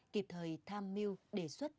kịp thời tham miu đề xuất